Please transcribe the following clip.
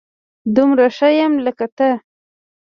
دومره ښه يم لکه ته